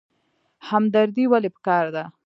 همدردي ولې پکار ده؟